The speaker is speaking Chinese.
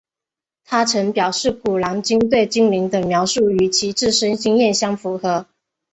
她曾表示古兰经对精灵的描述与其自身经验相符合。